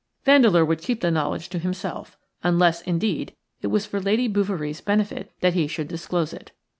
Vandeleur would keep the knowledge to himself; unless, indeed, it was for Lady Bouverie's benefit that he should disclose it.